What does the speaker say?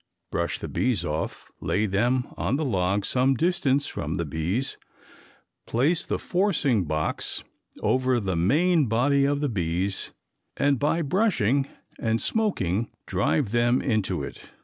Brush the bees off, lay them on the log some distance from the bees, place the forcing box over the main body of the bees and by brushing and smoking drive them into it.